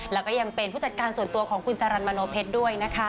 แล้วก็ยังเป็นผู้จัดการส่วนตัวของคุณจรรย์มโนเพชรด้วยนะคะ